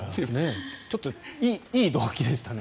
ちょっといい動機でしたね。